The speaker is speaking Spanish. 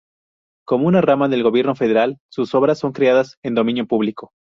Como una rama de la Gobierno Federal, sus obras son creadas en dominio público.